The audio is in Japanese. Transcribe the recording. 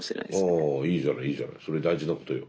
ああいいじゃないいいじゃないそれ大事なことよ。